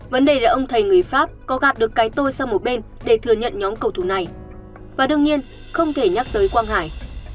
vấn đề là ông thầy người pháp có gạt được cái tôi sang một bên để thừa nhận nhóm cầu thủ này và đương nhiên không thể nhắc tới quang hải